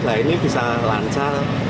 nah ini bisa lancar